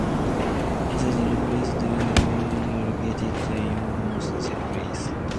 It was replaced with the Curia Cornelia, located in almost the same space.